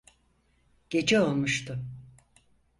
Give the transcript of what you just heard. Gece olmuştu.